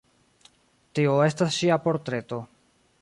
Tio estas ŝia portreto.